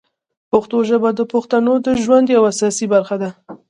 پښتو ژبه د پښتنو د ژوند یوه اساسي برخه ده.